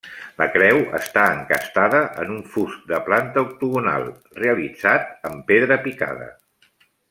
La creu està encastada en un fust de planta octogonal, realitzat amb pedra picada.